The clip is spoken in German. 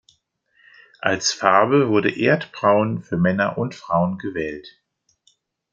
Als Farbe wurde Erdbraun für Männer und Frauen gewählt.